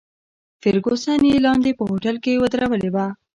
فرګوسن یې لاندې په هوټل کې ودرولې وه.